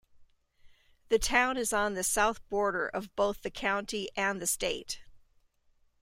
The town is on the south border of both the county and the state.